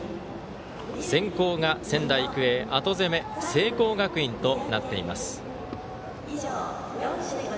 先攻が仙台育英後攻め、聖光学院となっています。